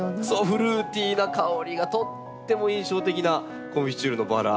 フルーティーな香りがとっても印象的なコンフィチュールのバラ